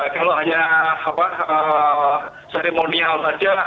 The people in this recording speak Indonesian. kalau hanya seremonial saja